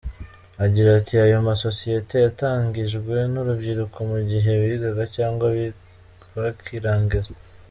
Agira ati “Ayo masosiyete yatangijwe n’urubyiruko mu gihe bigaga cyangwa bakirangiza.